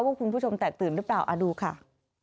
ว่าคุณผู้ชมแตกตื่นหรือเปล่าดูค่ะ